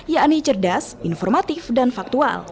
yakni cerdas informatif dan faktual